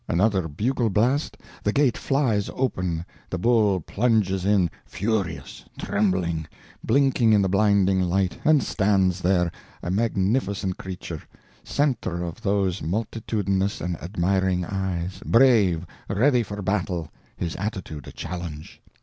Another bugle blast—the gate flies open, the bull plunges in, furious, trembling, blinking in the blinding light, and stands there, a magnificent creature, centre of those multitudinous and admiring eyes, brave, ready for battle, his attitude a challenge.